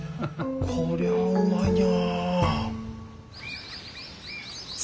こりゃあうまいねや。